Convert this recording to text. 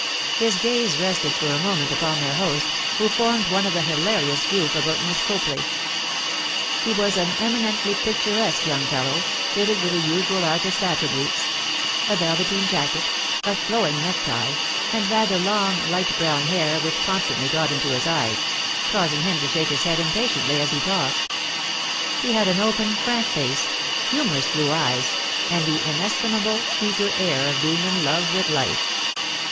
His gaze rested for a moment upon their host, who formed one of the hilarious group about Miss Copley. He was an eminently picturesque young fellow, fitted with the usual artist attributes—a velveteen jacket, a flowing necktie, and rather long light brown hair which constantly got into his eyes, causing him to shake his head impatiently as he talked. He had an open, frank face, humorous blue eyes and the inestimable, eager air of being in love with life.